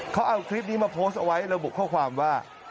เขาเอาคลิปนี้มาโพสต์เอาไว้ระบุข้อความว่า